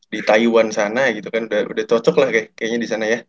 di taiwan sana gitu kan udah cocok lah kayaknya di sana ya